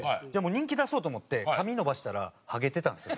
人気出そうと思って髪伸ばしたらハゲてたんですよ。